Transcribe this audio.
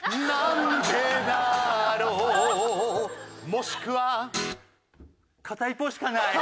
「もしくは」片一方しかない。